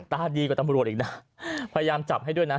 ตาดีกว่าตำรวจอีกนะพยายามจับให้ด้วยนะ